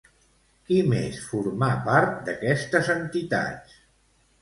Qui més formà part d'aquestes entitats?